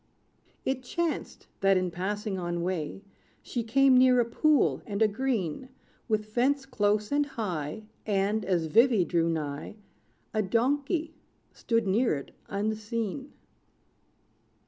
It chanced, that, in passing on way, She came near a pool, and a green With fence close and high; And, as Vivy drew nigh, A donkey stood near it unseen.